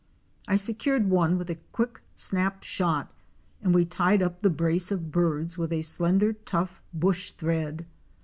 I secured one with a quick snap shot and we tied up the brace of birds with a slender tough bush thread.